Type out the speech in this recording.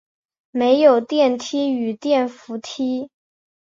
设有电梯与电扶梯。